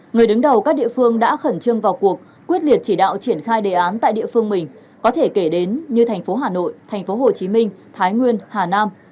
người đứng đầu các địa phương đã khẩn trương vào cuộc quyết liệt chỉ đạo triển khai đề án tại địa phương mình có thể kể đến như thành phố hà nội thành phố hồ chí minh thái nguyên hà nam